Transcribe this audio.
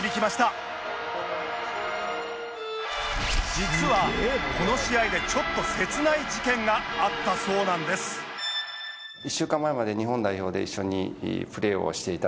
実はこの試合でちょっと切ない事件があったそうなんですをしていた